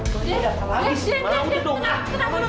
kamu datang lagi